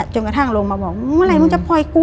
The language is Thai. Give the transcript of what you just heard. จนกระทั่งลงมาบอกเห็นไหมลัยล่ะมึงจะพลอยกู